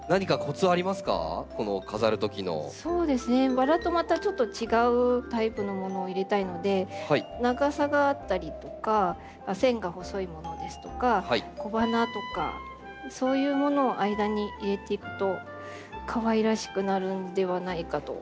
バラとまたちょっと違うタイプのものを入れたいので長さがあったりとか線が細いものですとか小花とかそういうものを間に入れていくとかわいらしくなるんではないかと思います。